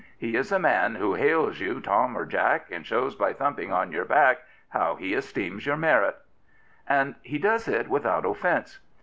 He is a man who Hails you Tom " or Jack/' And shows by thumping on your back How he esteems your merit. And he does it without offence.